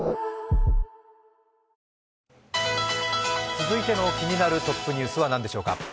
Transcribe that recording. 続いての気になるトップニュースは何でしょうか。